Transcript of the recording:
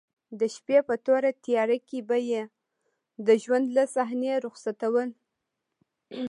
د شپې په توره تیاره کې به یې د ژوند له صحنې رخصتول.